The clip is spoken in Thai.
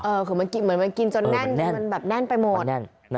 เหมือนมันกินจนแน่นจนมันแบบแน่นไปหมด